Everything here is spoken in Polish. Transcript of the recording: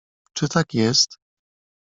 "Czy tak jest?"